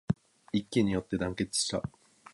一揆によって団結した